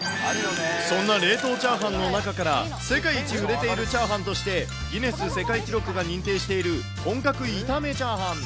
そんな冷凍チャーハンの中から、世界一売れているチャーハンとして、ギネス世界記録が認定している本格炒め炒飯。